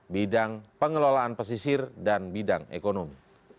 bidang pengelolaan pesisir dan bidang ekonomi